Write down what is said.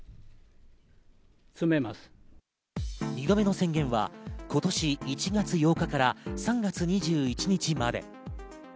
２度目の宣言は今年１月８日から３月２１日まで。